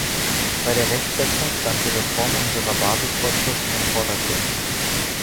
Bei der Rechtsetzung stand die Reform unserer Basisvorschriften im Vordergrund.